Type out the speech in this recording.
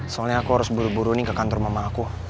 soalnya aku harus buru buru ini ke kantor mama aku